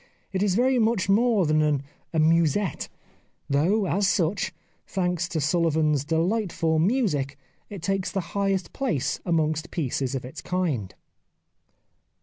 It is very much more than an amusetfe, though as such, thanks to Sullivan's delightful music, it takes the highest place amongst pieces of its kind.